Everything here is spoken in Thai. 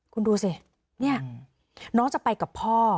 คุณดูสิเนี่ยน้องจะไปกับพ่อ